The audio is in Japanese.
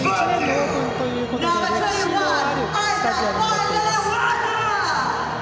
１９３１年オープンという歴史のあるスタジアムになっています。